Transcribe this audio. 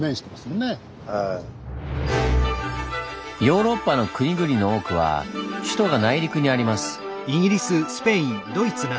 ヨーロッパの国々の多くは首都が内陸にあります。